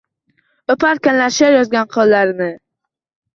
O’parkanlar she’r yozgan qo’llarini…